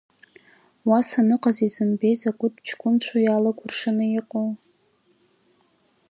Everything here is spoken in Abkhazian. Уа саныҟаз изымбеи закәытә ҷкәынцәоу иаалыкәыршаны иҟоу…